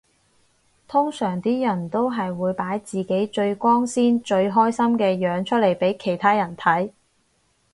通常啲人都係會擺自己最光鮮最開心嘅樣出嚟俾其他人睇